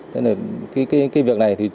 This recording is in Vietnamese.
cái việc này